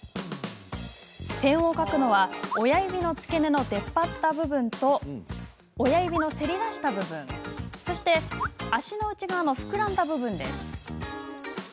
点を書くのは親指の付け根の出っ張った部分と親指のせり出した部分そして足の内側の膨らんだ部分です。